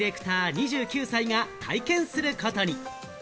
２９歳が体験することに。